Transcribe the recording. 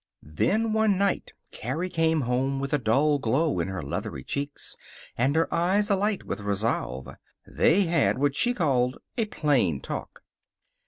Then, one night, Carrie came home with a dull glow in her leathery cheeks, and her eyes alight with resolve. They had what she called a plain talk.